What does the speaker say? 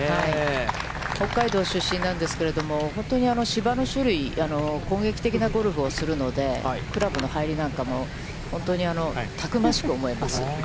北海道出身なんですけれども、本当に芝の種類、攻撃的なゴルフをするので、クラブの入りなんかも本当にたくましく思えます。